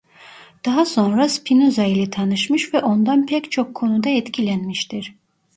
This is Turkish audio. Daha sonra Spinoza ile tanışmış ve ondan pek çok konuda etkilenmiştir.